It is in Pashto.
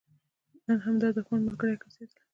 نن همدا دښمن ملګری ګرځېدلی.